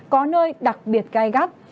có nơi đặc biệt gai gắt